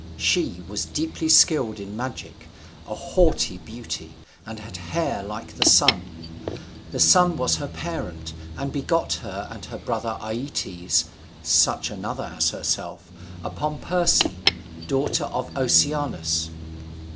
She was deeply skilled in magic, a haughty beauty, and had hair like the Sun. The Sun was her parent, and begot her and her brother Aeaetes (such another as herself) upon Perse, daughter to Oceanus.